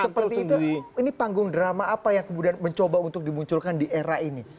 seperti itu ini panggung drama apa yang kemudian mencoba untuk dimunculkan di era ini